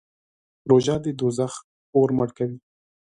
روژه د دوزخ اور مړ کوي.